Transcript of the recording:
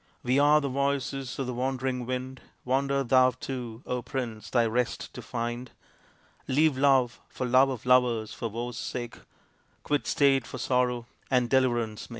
" We are the voices of the wandering wind : Wander thou too, Prince, thy rest to find ; Leave love for love of lovers, for woe's sake Quit state for sorrow, and deliverance make."